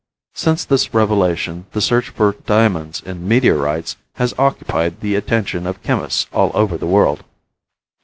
Since this revelation the search for diamonds in meteorites has occupied the attention of chemists all over the world.